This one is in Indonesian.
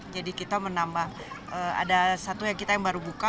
jadi kita menambah ada satu yang kita baru buka